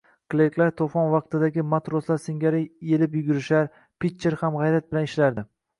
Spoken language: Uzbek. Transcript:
Klerklar to`fon vaqtidagi matroslar singari elibyugurishar, Pitcher ham g`ayrat bilan ishlardi